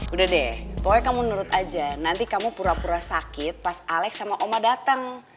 udah deh pokoknya kamu nurut aja nanti kamu pura pura sakit pas alex sama oma datang